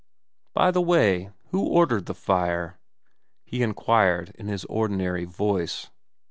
' By the way, who ordered the fire ?' he inquired in his ordinary voice.